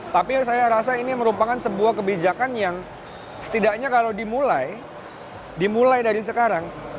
tapi saya rasa ini merupakan sebuah kebijakan yang setidaknya kalau dimulai dimulai dari sekarang